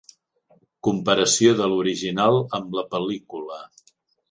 Comparació de l'original amb la pel•lícula.